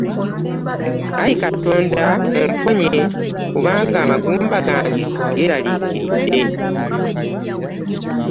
Ai Katonda omponye kubanga amagumba gange geeraliikiridde.